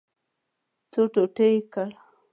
څو ټوټې یې کړ.